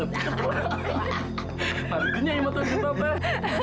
pak adudu nyanyi mata kita teh